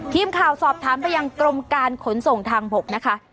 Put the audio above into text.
ทีมข่าวสอบถามไปยังกรมการขนส่งทางบกนะคะ